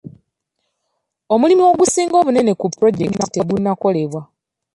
Omulimu ogusinga obunene ku pulojekiti tegunnakolebwa..